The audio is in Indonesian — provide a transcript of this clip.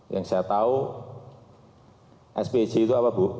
yang saya tahu spj itu apa bu